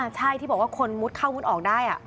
ใช่ที่บอกว่าคนมุดเข้ามุดออกได้